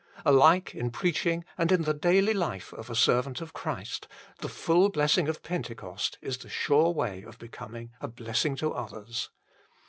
Alike in preaching and in the daily life of a servant of Christ, the full blessing of Pentecost is the sure way of becoming a bless ing to others.